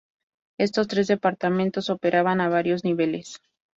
Estos tres departamentos operaban a varios niveles.